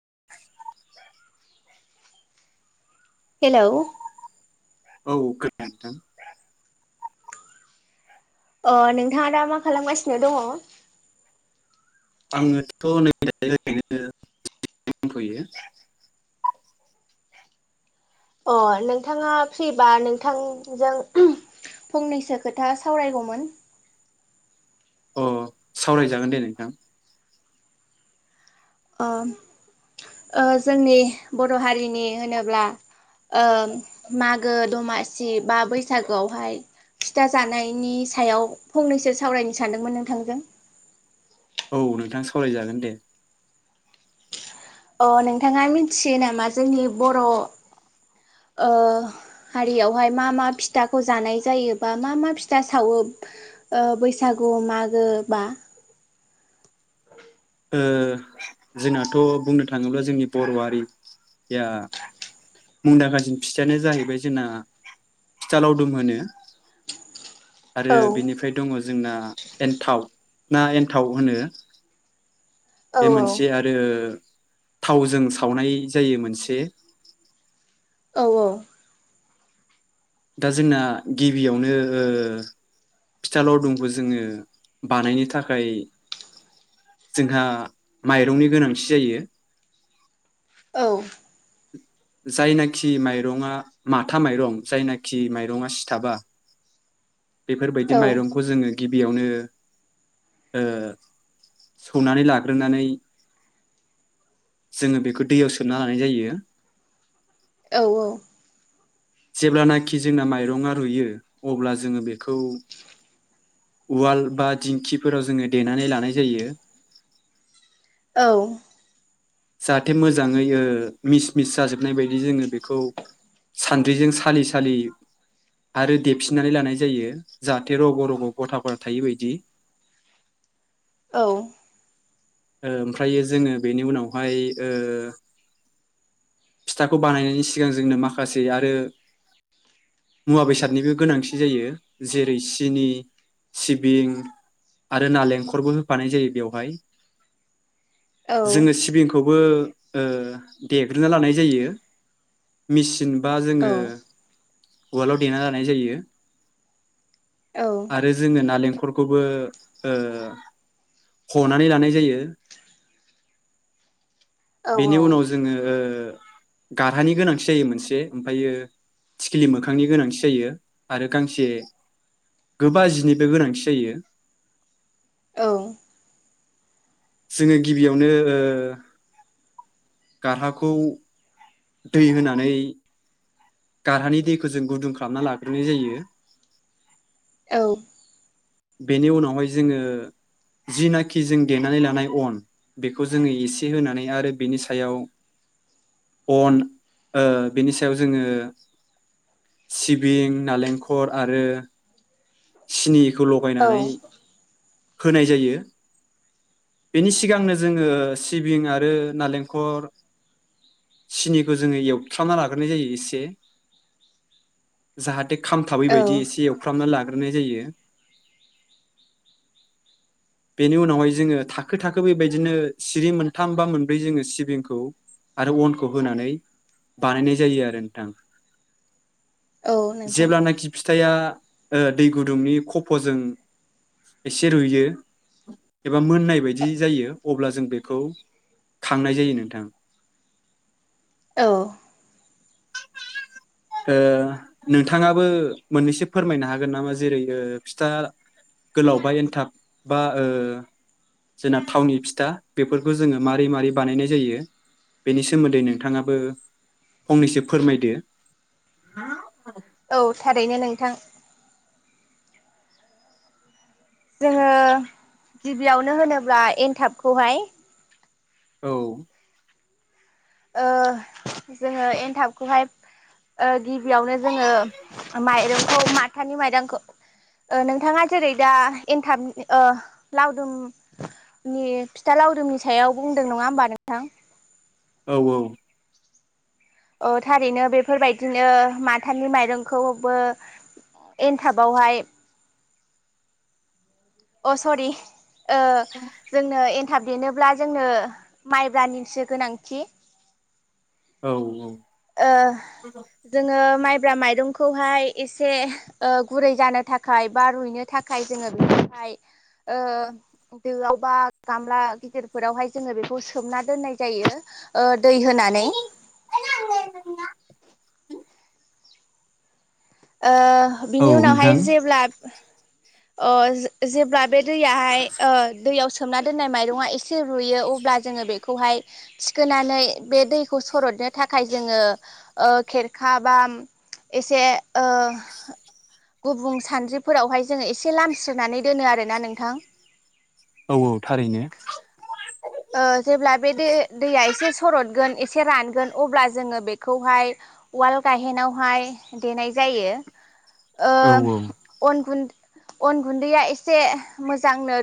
[inaudible] Hello औ [inaudible] नोंथाङा दा मा खालामगासिनो दङ? आङोथ' नै दनोफैयो [unintelligible] अ नोंथाङा फ्रिबा नोंथांजों फंनैसो खोथा सावरायगौमोन अ सावरायजागोन दे नोंथां ओम अ जोंनि बर' हारिनि होनोब्ला अ मागो दमासि बा बैसागुआवहाय फिथा जानायनि सायाव फंनैसो सावरायनो सानदोंमोन नोंथांजों औ नोंथां सावराय जागोन दे अ नोंथाङा मिथियो नामा जोंनि बर' अ हारियावहाय मा मा फिथाखौ जानाय जायो बा मा मा फिथा सावो अ बैसागु मागो बा? ओ जोंनाथ' बुंनो थाङोब्ला जोंनि बर'हारिया मुंदांखासिन फिथायानो जाहैबाय जोंना फिथा लावदुम होनो औ आरो बेनिफ्राय दङ जोंना एन्थाव ना एन्थाव होनो? औ औ रो थावजों सावनाय जायो मोनसे औ दा जोंना गिबियावनो फिथा लावदुमखौ जोङो बानायनो थाखाय जोंहा माइरंनि गोनांथि जायो जायनाखि माइरङा माथा माइरं जायनाखि माइरङा सिथाबा बेफोरबायदि माइरंखौ जोङो गिबियावनो ओ सौनानै लाग्रोनानै जोङो बेखौ दैयाव सोमना लानाय जायो। औ औ। जेब्लानाखि जोंना माइरङा रुयो अब्ला जोङो बेखौ उवाल बा दिंखिफोराव जोङो देनानै लानाय जायो। औ। जाहाथे मोजाङै मिस मिस जाजोबनाय बायदि जोङो बेखौ सान्द्रिजों सालि सालि आरो देफिननानै लानाय जायो जाहाथे रग' रग' गथाफोरा थायो बायदि। औ। ओमफ्रायो जोङो बेनि उनावहाय फिथाखौ बानायनायनि सिगां जोंनो माखासे आरो मुवा बेसादनिबो गोनांथि जायो जेरै सिनि सिबिं आरो नालेंखरबो होफानाय जायो बेवहाय। जों सिबिंखौ खौबो देग्रोना लानाय जायो मेसिन। बा जोंङो। उवालाव देना लानाय जायो। आरो जोङो नालेंखर। फोरखौबो ओ हनानै लानाय जायो। ओ बेनि उनाव जोङो गारहानि गोनांथि जायो मोनसे ओमफ्रायो थिखिलि मोखांनि गोनांथि जायो आरो गांसे गोब जिनिबो गोनांथि जायो। औ। जोङो गिबियावनो। गारहाखौ दै होनानै। गारहानि दैखौ जों गुदुं खालामना लाग्रोनाय जायो। औ। बेनि उनावहाय जोङो जिनाखि जों देनानै लानाय अन बेखौ जोङो एसे होनानै आरो बेनि सायाव अन ओ बेनि सायाव जोङो सिबिं नालेंखर आरो। स्नि बेखौ लगायनानै। होनाय जायो बेनि सिगांनो जोङो सिबिं आरो नारेंखल सिनिखौ जोङो एवफ्राना लाग्रोनाय जायो एसे जाहाथे। खामथाबै औ बायदि एसे एवफ्रामना लाग्रो ग्रोनाय जायो। बेनि उनावहाय जोङो थाखो थाखो बेबायदिनो सिरि मोनथाम बा मोनब्रै जोङो सिबिंखौ आरो अनखौ होनानै बानायनाय जायो आरो नोंथां। औ नोंथां जेब्लानाखि फिथाया। ओ दै गुदुंनि खफ'जों। एसे रुयो एबा मोननाय बायदि जायो अब्ला जों बेखौ खांनाय जायो नोंथां। औ। ओ नोंथाङाबो मोननैसो फोरमायनो हागोन नामा जेरै ओ फिथा। गोलाव बा एन्थाब बा ओ जोंना थावनि फिथा बेफोरखौ जोङो माबारै माबोरै बानायनाय जायो बेनि सोमोन्दै नोंथाङाबो फंनैसो फोरमायदो। औ थारैनो नोंथां। जोङो गिबियावनो होनोब्ला एनथाबखौहाय। औ। ओ जोङो एनथाबखौहाय ओ गिबियावनो जोङो माइरंखौ माथानि माइरंखौ नोंथाङा जेरै दा एनथाब ओ लावदुमनि फिथा लावदुमनि सायाव बुंदों नङा होमबा नोंथां। औ औ। थारैनो बेफोरबायदिनो माथानि माइरंखौबो एनथाबावहाय। अ सरि। ओ जोंनो ए नथाब देनोब्ला जोंनो माइब्रानिसो गोनांथि। औ औ ओ जोङो माइ ब्रा माइरंखौहाय एसे ओ गुरै जानो थाखाय बा रुइनो थाखाय जोङो बेखौहाय ओ दोआव बा गामला गिदिरफोरावहाय जोङो बेखौ सोमना दोननाय जायो ओ दै होनानै ओ औ बिनि उनावहाय नोंथां जेब्ला अ जे जेब्ला बे दैयाहाय ओ दैयाव सो सोमना दोननाय माइरङा एसे रुयो अब्ला जोङो बेखौहाय थिखोनानै बे दैखौ सरदनो थाखाय जोङो ओ खेरखा बा एसे ओ गुबुं सानद्रिफोरावहाय जोङो एसे लामस्रोनानै दोनो आरोना नोंथां औ औ थारैनो ओ जेब्ला बे दै दैया एसे स सरदगोन एसे रानगोन अब्ला जोङो बेखौहाय उवाल गायहेनावहाय देनाय जायो। औ ओम अन गुन्द अन गुन्दैया एसे मोजांनो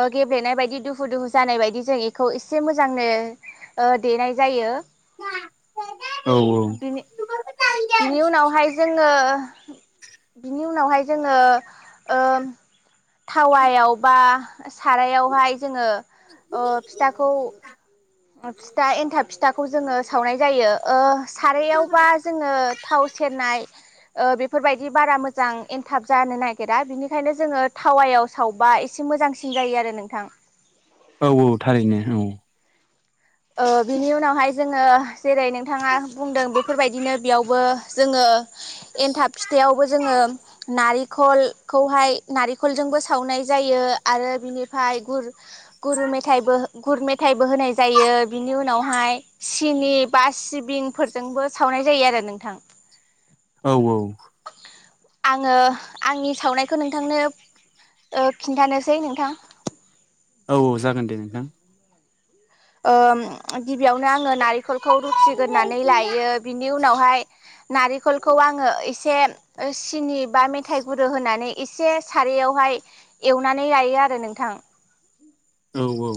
ओ गेब्लेनाय बायदि दुहु दुहु जानाय बायदि जों बेखौ एसे मोजांनो ओ देनाय जायो। औ बिनि बिनि उनावहाय जोङो बिनि उनावहाय जोङो ओ थावायाव बा सारायावहाय जोङो ओ फिथाखौ फिथा एन्थाब फिथाखौ जोङो सावनाय जायो ओ सारयावबा जोङो थाव सेरनाय ओ बेफोरबायदि बारा मोजां एनथाब जानो नागिरा बिनिखायनो जोङो थावायाव सावबा एसे मोजांसिन जायो आरो नोंथां। औ औ थारैनो औ। ओ बिनि उनावहाय जोङो जेरै नोंथाङा बुंदों बेफोरबायदिनो बेयावबो जोङो एनथाब फिथायावबो जोङो नारिख खलखौहाय नारेंखलजोंबो सावनाय जायो आरो बिनिफाय गुर गुर मेथाइबो गुर मेथाइबो होनाय जायो। बिनि उनावहाय सि सिनि बा सिबिंफोरजोंबो सावनाय जायो आरो नोंथां। औ औ। आङो आंनि सावनायखौ नोंथांनो ओ खिन्थानोसै नोंथां। औ औ जागोन दे नोंथां। ओम गिबियावनो आङो नारेंखलखौ रुखिगोरनानै लायो बिनि उनावहाय नारेंखलखौ आङो एसे सिनि बा मेथाइ गुरु होनानै एसे सारयावहाय एवनानै लायो आरो नोंथां। औ औ।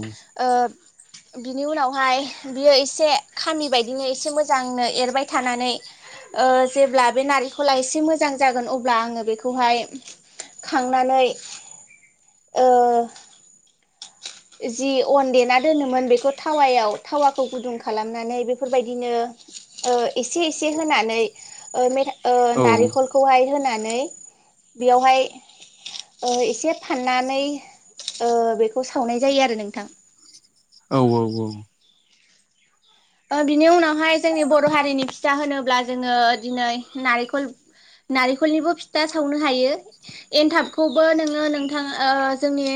बिनि उनावहाय बियो एसे खामि बायदिनो एसे मोजांनो एरबाय थानानै ओ जेब्ला बे नारिखला एसे मोजां जागोन अब्ला आङो बेखौहाय खांनानै ओ जि अन देना दोनोमोन बेखौ थावायाव थावाखौ गुदुं खालामनानै बेफोरबायदिनो ओ एसे एसे होनानै ओ मेथा ओ औ नारेखलखौहाय होनानै बेयावहाय ओ एसे फाननानै ओ बेखौ सावनाय जायो आरो नोंथां। औ औ औ। ओ बिनि उनावहाय जोंनि बर' हारिनि फिथा होनोब्ला जोङो दिनै नारेखल नारेखलनिबो फिथा सावनो हायो एनथाबखौबो नोङो नोंथां ओ जोंनि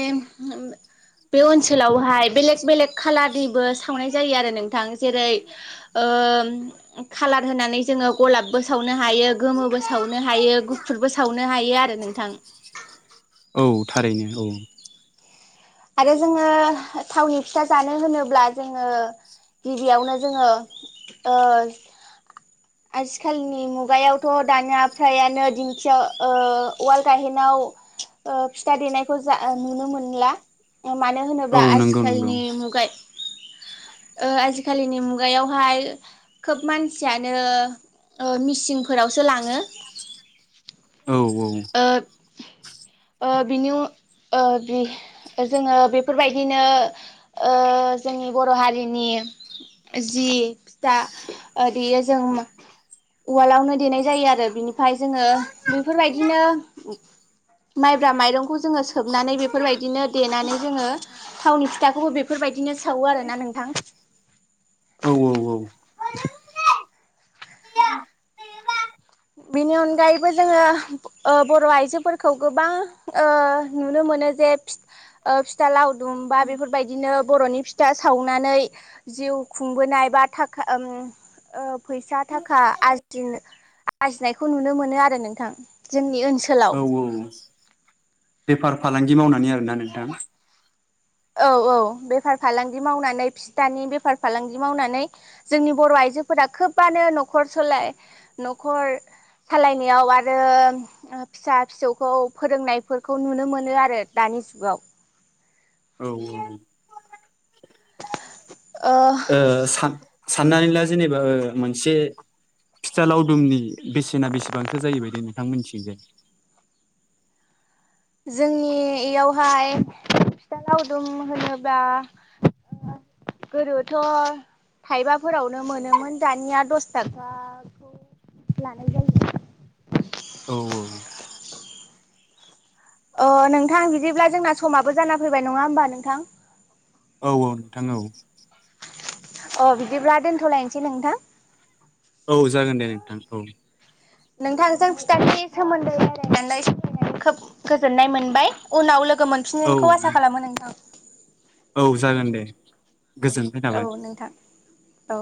बे ओनसोलावहाय बेलेग बेलेग खालारनिबो सावनाय जायो आरो नोंथां। जेरै ओ खालार होनानै जोङो गलाब बो सावनो हायो गोमोबो सावनो हायो गुफुरबो सावनो हायो आरो नोंथां। औ थारैनो औ आरो जोङो थावनि फिथा जानो होनोब्ला जोङो गिबियावनो जोङो ओ आजिखालनि मुगायावथ' दानिया फ्रायानो दिंखियाव ओ उवाल गायहेनाव ओ फिथा देनाय खौ जा नुनो मोनला। मानो औ होनोब्ला नंगौ नंगौ आजिखालनि मुगाय ओ आजिखालिनि मुगायावहाय खोब मानसियानो मिसिनफोरावसो लाङो। औ -औ। ओ ओ बिनि उ ओ बि जोङो बेफोरबायदिनो ओ जोंनि बर' हारिनि जि फिथा ओ देयो जों उवालआवनो देनाय जायो आरो बिनि ओमफाय जोङो बेफोरबाय माइब्रा माइरं खौ जोङो सोबनानै बेफोरबायदिनो देनानै जोङो थावनि फिथाखौबो बेफोरबाय बिदिनो सावो आरो ना नोंथां। औ औ औ। [inaudible] बिनि अनगायैबो जोङो ओ बर' आइजोफोरखौ गोबां ओ नुनो मोनो जे फिथ ओ फिथा लाव दुमबा बेफोरबायदिनो बर'नि फिथा सावनानै जिउ खुंबोनाय बा थाखाम ओब फैसा थाखा आदजिनो लाजिनायखौ नुनो मोनो आरो नोंथां जोंनि ओनसो औ औ। बेफार फालांगि मावनानै आरोना नोंथां। औ औ बेफार फालांगि मावनानै फिथानि बेफार फालांगि मावनानै जोंनि बर' आइजोफोरा खोबानो न'खर सोलाय न'खर सालायनायाव आरो फिसा फिसौखौ फोरोंनायफोरखौ नुनो मोनो आरो दानि जुगाव। औ औ। ओ सान साननानै ला जेनेबा ओ मोनसे फिथा लावदुमनि बेसेना बेसेबांथो जायोबायदि नोंथां मिथि जोंनि इयावहाय फिथा लावदुम होनोब्ला गोदोथ' थाइबाफोरावनो मोनोमोन दानिया दस थाखाखौ लानाय जायो। औ - औ। अ नोंथां बिदिब्ला जोंना समाबो जाना फैबाय नङा होमबा नोंथां। औ औ नोंथां औ अ बिदिब्ला दोनथ'लायनोसै नोंथां। औ जागोन दे नोंथां औ नोंथांजों फिथाइनि सोमोन्दै रायलायनानै सावरायनानै खोब गोजोननाय मोनबाय उनाव लोगो लोगो मोनफिनगोनखौ औ आसा खालामो नोंथां। औ जागोन दे गोजोन्नाय थाबाय औ नोंथां औ